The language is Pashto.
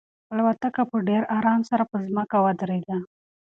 الوتکه په ډېر ارام سره په ځمکه ودرېده.